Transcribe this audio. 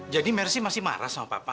jadi mercy masih marah sama papa